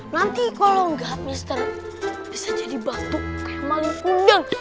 nanti kalau enggak mister bisa jadi batuk kayak maling kudang